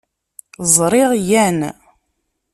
Ẓriɣ yan.